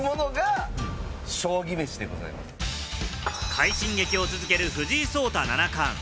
快進撃を続ける藤井聡太七冠。